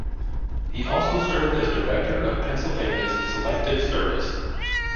He also served as director of Pennsylvania’s Selective Service.